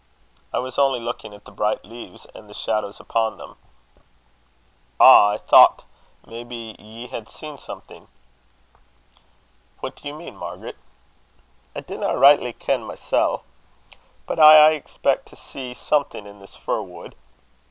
"I was only looking at the bright leaves, and the shadows upon them." "Ah! I thocht maybe ye had seen something." "What do you mean, Margaret?" "I dinna richtly ken mysel'. But I aye expeck to see something in this fir wood.